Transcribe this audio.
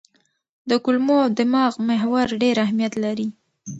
د کولمو او دماغ محور ډېر اهمیت لري.